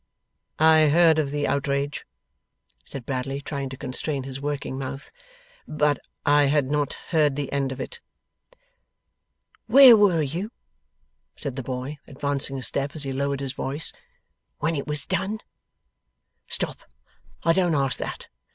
'I heard of the outrage,' said Bradley, trying to constrain his working mouth, 'but I had not heard the end of it.' 'Where were you,' said the boy, advancing a step as he lowered his voice, 'when it was done? Stop! I don't ask that.